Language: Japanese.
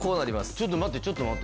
ちょっと待ってちょっと待って。